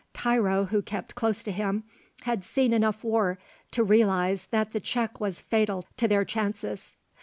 Tiro, who kept close to him, had seen enough war to realise that the check was fatal to their chances.